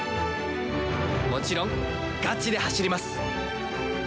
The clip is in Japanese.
もちろんガチで走ります。